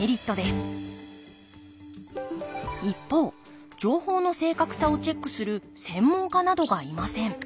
一方情報の正確さをチェックする専門家などがいません。